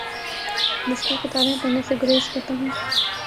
مشکل کتابیں پڑھنے سے گریز کرتا ہوں